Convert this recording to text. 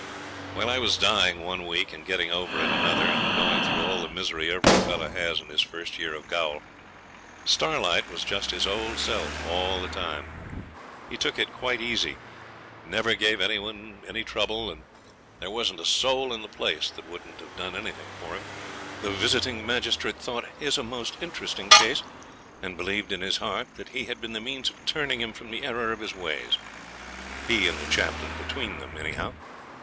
While I was dying one week and getting over it another, and going through all the misery every fellow has in his first year of gaol, Starlight was just his old self all the time. He took it quite easy, never gave any one trouble, and there wasn't a soul in the place that wouldn't have done anything for him. The visiting magistrate thought his a most interesting case, and believed in his heart that he had been the means of turning him from the error of his ways he and the chaplain between them, anyhow.